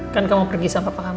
kan kamu pergi sama pak al